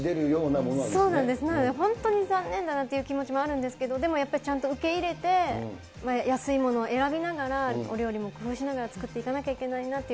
なので本当に残念だなという気持ちもあるんですけど、でもやっぱりちゃんと受け入れて、安いものを選びながら、お料理も工夫しながら作っていかなきゃいけないなって。